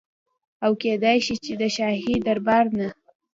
او کيدی شي چي د شاهي دربار نه